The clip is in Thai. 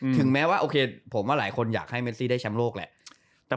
ถึงแม้ว่าโอเคผมว่าหลายคนอยากให้เมซี่ได้แชมป์โลกแหละ